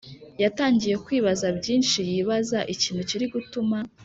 yatangiye kwibaza byinshi yibaza ikintu kiri gutuma